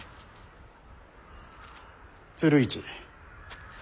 鶴市。